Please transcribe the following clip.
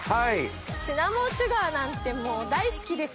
シナモンシュガーなんてもう大好きです。